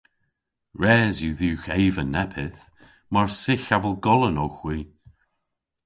Res yw dhywgh eva neppyth. Mar sygh avel golan owgh hwi!